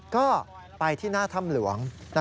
ก็ไปที่หน้าถ้ำหลวง